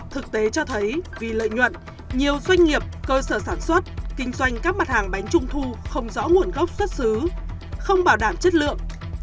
thực tế cho thấy vì lợi nhuận nhiều doanh nghiệp cơ sở sản xuất kinh doanh các mặt hàng bánh trung thu không rõ nguồn gốc xuất xứ không bảo đảm chất lượng